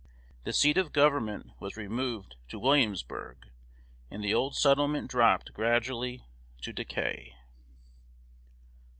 The seat of government was removed to Williamsburg, and the old settlement dropped gradually to decay.